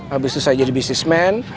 habis itu saya jadi bisnismen